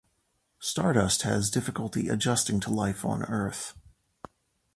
Stardust has difficulty adjusting to life on Earth.